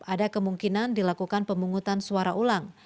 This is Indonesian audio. ada kemungkinan dilakukan pemungutan suara ulang